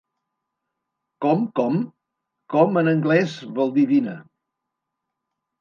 Com, com...? —Com, en anglès, vol dir vine.